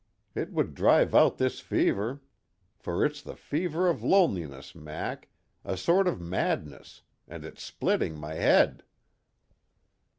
It would drive out this fever, for it's the fever of loneliness, Mac a sort of madness, and it's splitting my 'ead."